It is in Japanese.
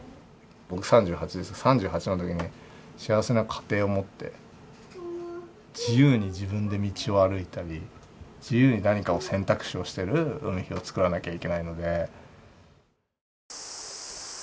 僕３８なんですけど、３８のときに、幸せな家庭を持って、自由に自分で道を歩いたり、自由に何かを選択肢をしてる、海陽を作らなきゃいけないので。